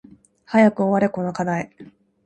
早く終われこの課題